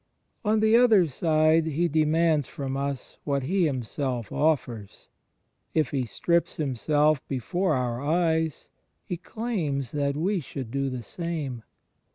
On the other side He demands from us what He Him self offers. If He strips Himself before our eyes. He claims that we should do the same.